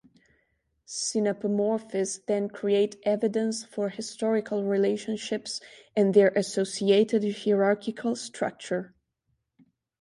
Synapomorphies then create evidence for historical relationships and their associated hierarchical structure.